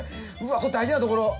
ここ大事なところ！